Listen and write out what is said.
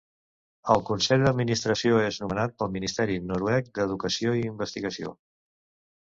El consell d'administració és nomenat pel Ministeri Noruec d'Educació i Investigació.